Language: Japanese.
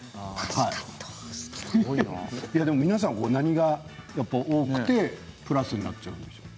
いやでも皆さん何が多くてプラスになっちゃうんでしょう？